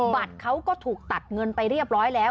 บัตรเขาก็ถูกตัดเงินไปเรียบร้อยแล้ว